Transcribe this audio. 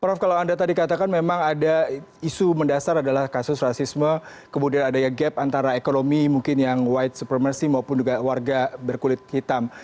prof kalau anda tadi katakan memang ada isu mendasar adalah kasus rasisme kemudian adanya gap antara ekonomi mungkin yang white supremacy maupun juga warga berkulit hitam